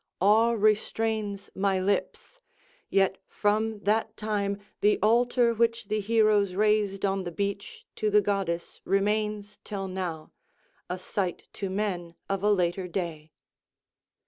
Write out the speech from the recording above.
Awe restrains my lips, yet from that time the altar which the heroes raised on the beach to the goddess remains till now, a sight to men of a later day.